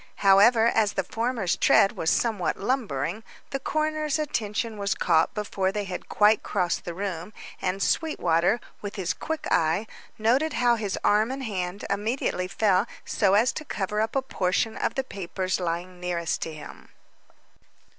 However as the former's tread was somewhat lumbering, the coroner's attention was caught before they had quite crossed the room, and Sweetwater, with his quick eye, noted how his arm and hand immediately fell so as to cover up a portion of the papers lying nearest to him.